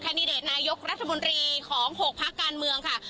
ดิเดตนายกรัฐมนตรีของ๖พักการเมืองค่ะ